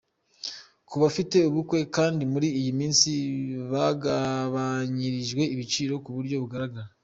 Kubafite ubukwe kandi, muri iyi minsi bagabanyirijwe ibiciro kuburyo bugaragara .